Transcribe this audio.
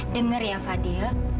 dengar ya fadil